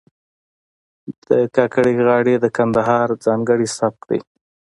د کاکړۍ غاړې د کندهار ځانګړی سبک دی.